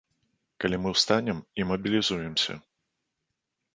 Калі мы ўстанем і мабілізуемся.